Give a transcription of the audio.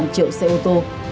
năm triệu xe ô tô